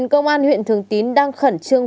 công an huyện thường tín đang khẩn trương